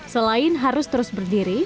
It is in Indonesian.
selain harus terus berdiri